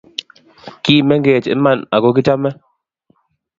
ki mengech iman ako kichame